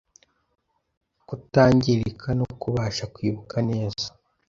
kutangirika no kubasha kwibuka neza.